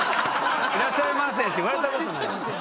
「いらっしゃいませ」って言われたことない。